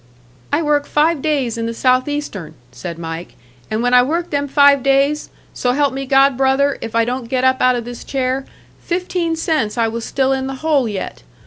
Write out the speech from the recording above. "I work five days in the Southeastern," said Mike, "and when I work them five days, so help me God, brother, if I don't get up out of this chair, fifteen cents I was still in the hole yet.